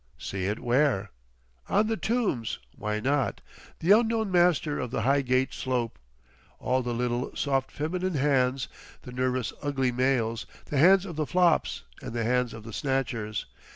"See it where?" "On the tombs. Why not? The Unknown Master of the Highgate Slope! All the little, soft feminine hands, the nervous ugly males, the hands of the flops, and the hands of the snatchers!